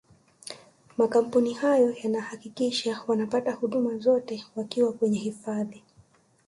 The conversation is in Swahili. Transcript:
makampuni hayo yanahakikisha wanapata huduma zote wakiwa kwenye hifadhi